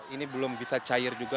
ini belum bisa cair juga